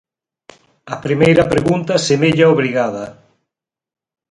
A primeira pregunta semella obrigada.